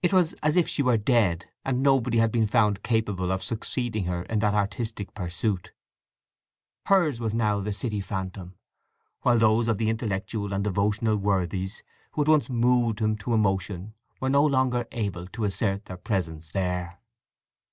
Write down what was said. It was as if she were dead, and nobody had been found capable of succeeding her in that artistic pursuit. Hers was now the city phantom, while those of the intellectual and devotional worthies who had once moved him to emotion were no longer able to assert their presence there.